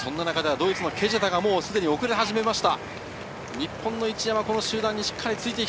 ドイツのケジェタが遅れ始めました。